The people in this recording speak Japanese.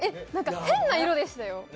変な色でしたよ？